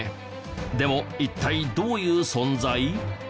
でも一体どういう存在？